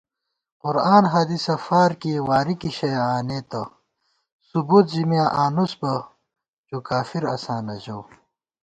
قرآن حدیثہ فارکېئ، واری کی شَیہ آنېتہ * ثبُوت زی میاں آنوس بہ، جوکافراساں نہ ژَؤ